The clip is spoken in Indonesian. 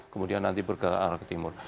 kemudian nanti bergerak ke timur